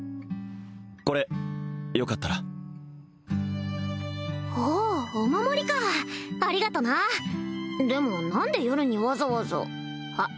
これよかったらおおお守りかありがとなでも何で夜にわざわざあっ